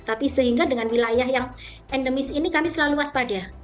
tapi sehingga dengan wilayah yang endemis ini kami selalu waspada